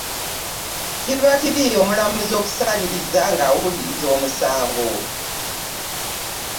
Kiba kibi omulamuzi okusaliriza nga awuliriza omusango ..